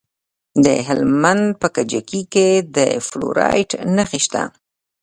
د هلمند په کجکي کې د فلورایټ نښې شته.